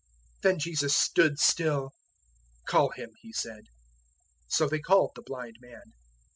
010:049 Then Jesus stood still. "Call him," He said. So they called the blind man.